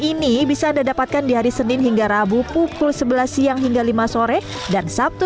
ini bisa anda dapatkan di hari senin hingga rabu pukul sebelas siang hingga lima sore dan sabtu